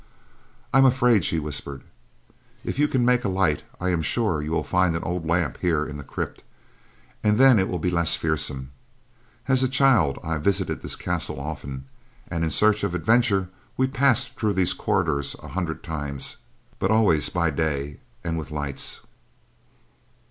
"I am afraid," she whispered. "If you can make a light, I am sure you will find an old lamp here in the crypt, and then will it be less fearsome. As a child I visited this castle often, and in search of adventure, we passed through these corridors an hundred times, but always by day and with lights."